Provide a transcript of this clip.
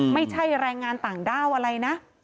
ไม่ใช่แรงงานต่างด้าวอะไรนะ